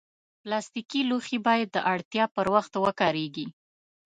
پلاستيکي لوښي باید د اړتیا پر وخت وکارېږي.